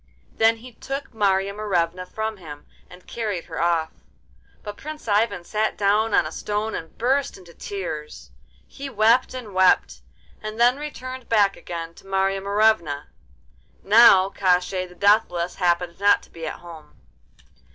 Then he took Marya Morevna from him, and carried her off. But Prince Ivan sat down on a stone and burst into tears. He wept and wept—and then returned back again to Marya Morevna. Now Koshchei the Deathless happened not to be at home.